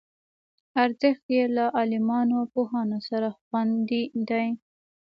ارزښت یې له عالمانو او پوهانو سره خوندي دی.